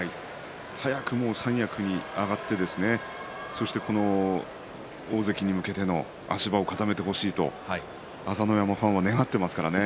早く三役に上がってそして大関に向けての足場を固めてほしいと朝乃山ファンは願っていますからね。